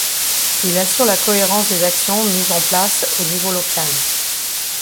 Il assure la cohérence des actions mises en place au niveau local.